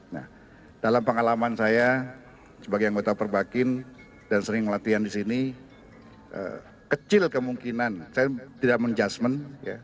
nah dalam pengalaman saya sebagai anggota perbakin dan sering latihan di sini kecil kemungkinan saya tidak menjudgement